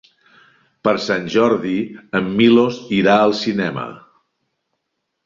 Per Sant Jordi en Milos irà al cinema.